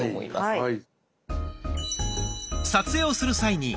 はい。